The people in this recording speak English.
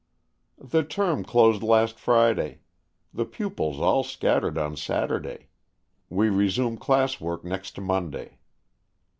"The term closed last Friday. The pupils all scattered on Saturday. We resume class work next Monday."